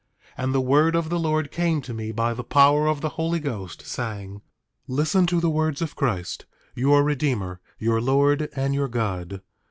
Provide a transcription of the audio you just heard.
And the word of the Lord came to me by the power of the Holy Ghost, saying: 8:8 Listen to the words of Christ, your Redeemer, your Lord and your God.